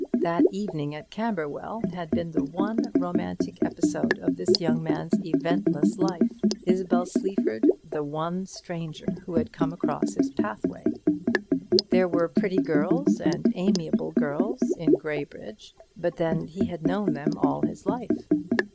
That evening at Camberwell had been the one romantic episode of this young man's eventless life; Isabel Sleaford the one stranger who had come across his pathway. There were pretty girls, and amiable girls, in Graybridge: but then he had known them all his life.